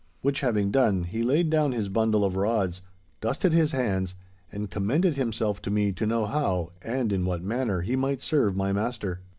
Which having done, he laid down his bundle of rods, dusted his hands, and commended himself to me to know how, and in what manner, he might serve my master.